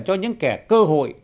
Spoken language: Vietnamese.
cho những kẻ cơ hội